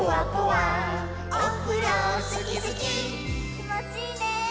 きもちいいね。